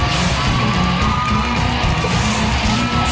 แต่ละคน